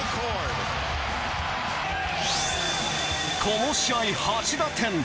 この試合８打点。